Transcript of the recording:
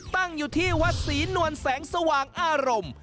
ตั้งอยู่ที่วัดศรีนวลแสงสว่างอารมณ์